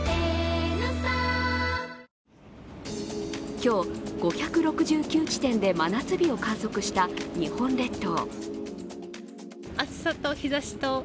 今日、５６９地点で真夏日を観測した日本列島。